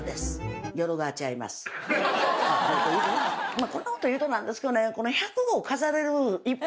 まあこんなこと言うとなんですけどね。